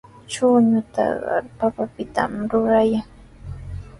Chuñutaqa papapitami rurayan.